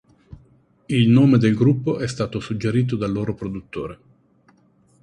Il nome del gruppo è stato suggerito dal loro produttore.